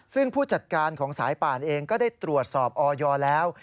ซึ่งผู้จัดการของสายป่านเองก็ได้ตรวจสอบออยแล้ว